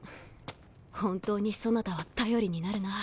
本当にそなたは頼りになるな。